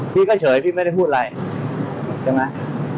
พี่ก็เฉยพี่ไม่ได้พูดอะไรใช่ไหม